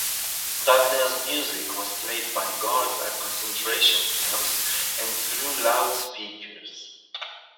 Wagner's music was played by guards at concentration camps and through loudspeakers.